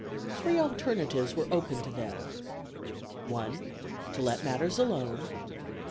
Three alternatives were open to them 1. To let matters alone.